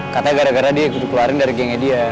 katanya gara gara dia gitu keluarin dari gengnya dia